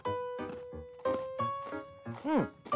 うん。